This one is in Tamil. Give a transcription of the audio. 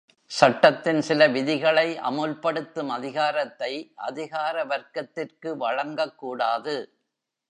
சட்டத்தின் சில விதிகளை அமுல்படுத்தும் அதிகாரத்தை அதிகாரவர்க்கத்திற்கு வழங்கக்கூடாது.